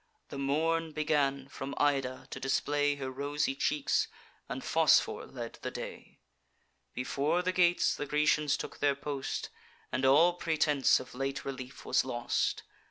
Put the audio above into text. The Morn began, from Ida, to display Her rosy cheeks; and Phosphor led the day: Before the gates the Grecians took their post, And all pretence of late relief was lost.